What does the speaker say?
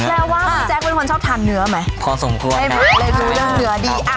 แล้วว่าคุณแจ๊กเป็นคนชอบทานเนื้อไหมพอสมควรอะไรดูเรื่องเนื้อดีอ่ะ